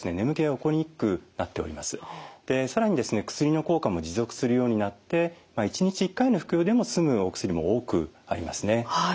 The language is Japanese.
薬の効果も持続するようになって１日１回の服用でも済むお薬も多くありますね。